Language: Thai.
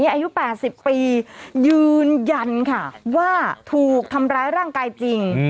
อายุ๘๐ปียืนยันค่ะว่าถูกทำร้ายร่างกายจริง